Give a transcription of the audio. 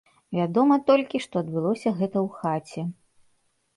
Вядома толькі, што адбылося гэта ў хаце.